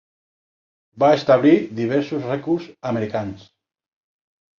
Va establir diversos rècords americans.